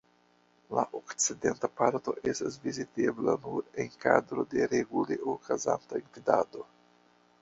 La okcidenta parto etas vizitebla nur en kadro de regule okazanta gvidado.